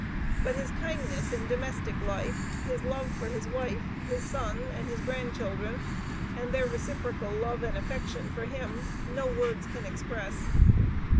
But his kindness in domestic life, his love for his wife, his son and his grandchildren, and their reciprocal love and affection for him, no words can express.